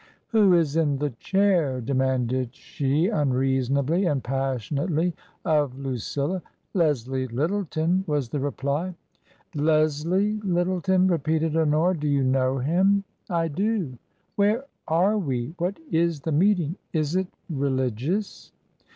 " Who is in the chair ?" demanded she, unreasonably and passionately, of Lucilla. " Leslie Lyttleton," was the reply. " Leslie Lyttleton !" repeated Honora. " Do you know him ?"" r do." "Where are we? What is the meeting? Is it re ligiotcs